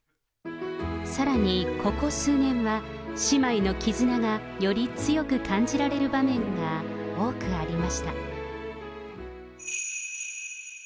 さらにここ数年は姉妹の絆がより強く感じられる場面が多くありました。